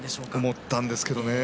思ったんですけれどね。